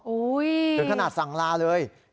เกือบขนาดสั่งลาเลย